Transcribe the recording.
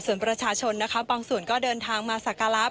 ส่วนประชาชนนะคะบางส่วนก็เดินทางมาสักการะ